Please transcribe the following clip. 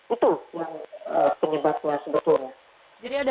itu yang penyebabnya sebetulnya